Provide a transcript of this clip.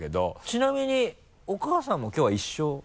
ちなみにお母さんもきょうは一緒？